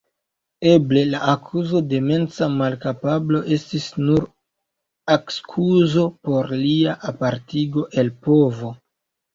Eble la akuzo de mensa malkapablo estis nur akskuzo por lia apartigo el povo.